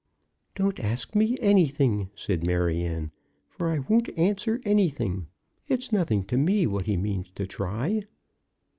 "Don't ask me anything," said Maryanne, "for I won't answer anything. It's nothing to me what he means to try."